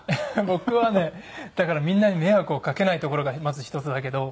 僕はねだからみんなに迷惑をかけないところがまず一つだけど。